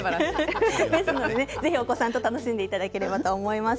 お子さんとぜひ楽しんでいただければと思います。